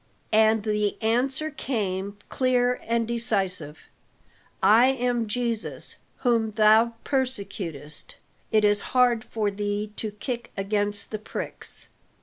And the answer came clear and decisive, "I am Jesus whom thou persecutest; it is hard for thee to kick against the pricks."